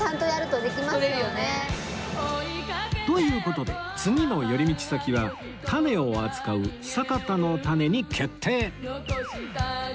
という事で次の寄り道先はタネを扱うサカタのタネに決定